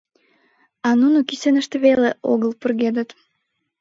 А нуно кӱсеныште веле огыл пургедыт.